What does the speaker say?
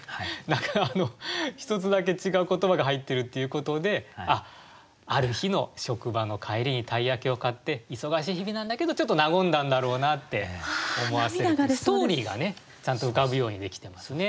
何か１つだけ違う言葉が入ってるっていうことであっある日の職場の帰りに鯛焼を買って忙しい日々なんだけどちょっと和んだんだろうなって思わせるストーリーがねちゃんと浮かぶようにできてますね。